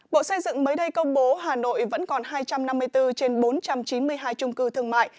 bộ xây dựng mới đây công bố hà nội vẫn còn hai trăm năm mươi bốn trên bốn trăm chín mươi hai trung cư thương mại